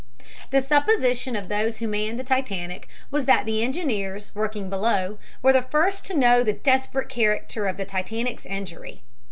The supposition of those who manned the Titanic was that the engineers, working below, were the first to know the desperate character of the Titanic's injury.